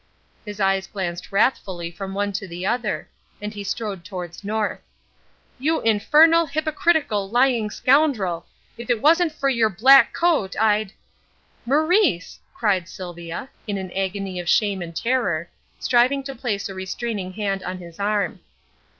His eyes glanced wrathfully from one to the other; and he strode towards North. "You infernal hypocritical lying scoundrel, if it wasn't for your black coat, I'd " "Maurice!" cried Sylvia, in an agony of shame and terror, striving to place a restraining hand upon his arm.